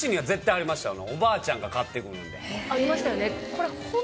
ありましたよね。